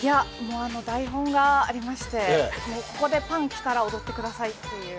台本がありまして、ここでパン来たら踊ってくださいという。